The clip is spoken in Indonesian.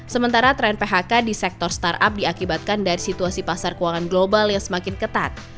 sementara tren phk di sektor startup diakibatkan dari situasi pasar keuangan global yang semakin ketat